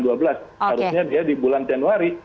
seharusnya di bulan januari